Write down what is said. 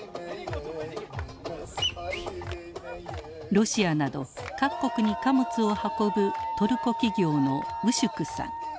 ロシアなど各国に貨物を運ぶトルコ企業のウシュクさん。